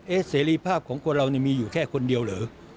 เสรีภาพของคนเรามีอยู่แค่คนเดียวเหรอ